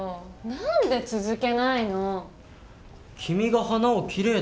何で続けないの。